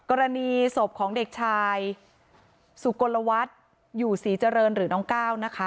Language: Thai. กรณีศพของเด็กชายสุกลวัฒน์อยู่ศรีเจริญหรือน้องก้าวนะคะ